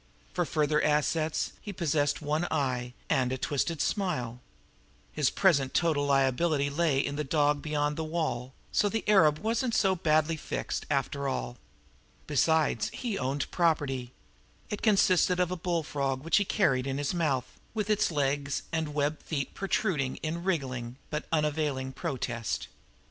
For further assets, he possessed one eye and a twisted smile. His present total liability lay in the dog beyond the wall, so the arab wasn't so badly fixed, after all. Besides, he owned property. It consisted of a bullfrog which he carried in his mouth, with its legs and web feet protruding in wriggly, but unavailing, protest.